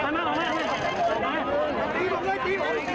ยังต้อง